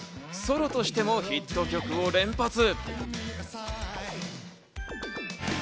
ソロとしてもヒット曲を連発。